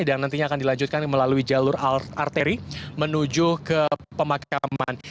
dan nantinya akan dilanjutkan melalui jalur arteri menuju ke pemakaman